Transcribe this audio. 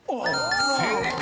［正解！